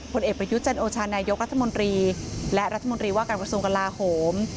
ผลเอกประยุทธ์จันโอชานายกรัฐมนตรีและรัฐมนตรีว่าการกระทรวงกลาโหม